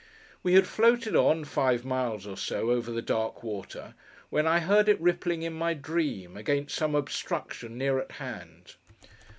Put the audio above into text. We had floated on, five miles or so, over the dark water, when I heard it rippling in my dream, against some obstruction near at hand.